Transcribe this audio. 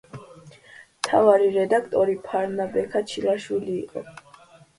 მთავარი რედაქტორი ფარნა-ბექა ჩილაშვილი იყო.